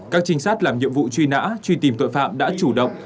các trinh sát làm nhiệm vụ truy nã truy tìm tội phạm đã chủ động